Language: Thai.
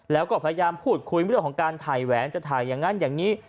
แล้วก็พยายามพูดคุยเรื่องของการถ่ายแหวนจะถ่ายอย่างนั้นอย่างนี้